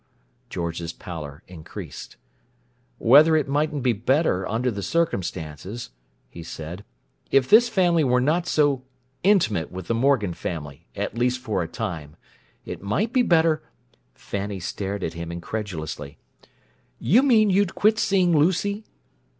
George's pallor increased. "Whether it mightn't be better, under the circumstances," he said, "if this family were not so intimate with the Morgan family—at least for a time. It might be better—" Fanny stared at him incredulously. "You mean you'd quit seeing Lucy?"